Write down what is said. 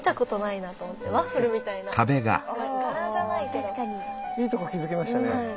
いいとこ気付きましたね。